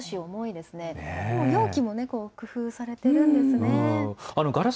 でも容器も工夫されているんですガラス